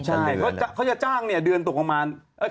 ใช่เขาจะจ้างเนี่ยเดือนตกประมาณ